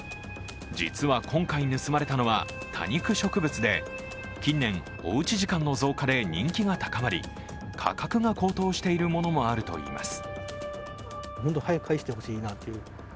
実は、今回盗まれたのは多肉植物で近年、おうち時間の増加で人気が高まり価格が高騰しているものもあるといいます。